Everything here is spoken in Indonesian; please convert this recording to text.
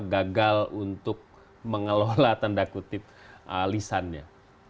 gagal untuk mengelola tanda kutip lisannya